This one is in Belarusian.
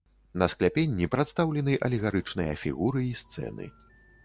На скляпенні прадстаўлены алегарычныя фігуры і сцэны.